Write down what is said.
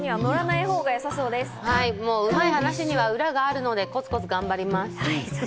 うまい話には裏があるのでコツコツ頑張ります。